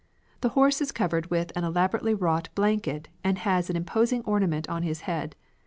The horse is covered with an elaborately wrought blanket and has an imposing ornament on his head.